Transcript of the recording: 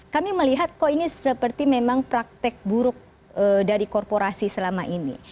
kami melihat kok ini seperti memang praktek buruk dari korporasi selama ini